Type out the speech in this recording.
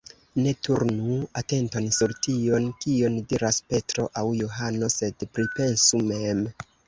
Ne turnu atenton sur tion, kion diras Petro aŭ Johano, sed pripensu mem.